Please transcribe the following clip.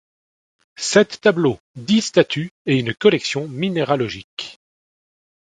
Sept tableaux, dix statues et un collection minéralogique.